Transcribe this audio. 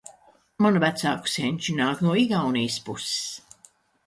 Manu vecāku senči nāk no Igaunijas puses.